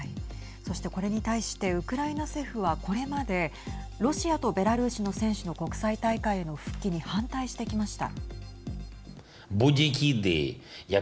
そして、これに対してウクライナ政府はこれまでロシアとベラルーシの選手の国際大会への復帰に反対してきました。